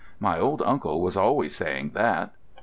My old uncle was always saying that."